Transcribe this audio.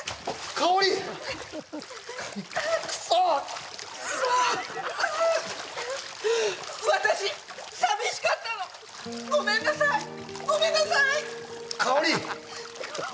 カオリクソークソー私寂しかったのごめんなさいごめんなさいカオリ